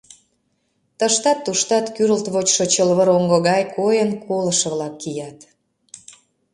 Тыштат, туштат, кӱрылт вочшо чылвыр оҥго гай койын, колышо-влак кият.